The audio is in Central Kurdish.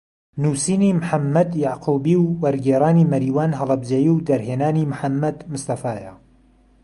نووسینی محەممەد یەعقوبی و وەرگێڕانی مەریوان هەڵەبجەیی و دەرهێنانی محەممەد مستەفایە